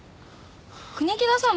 国木田さん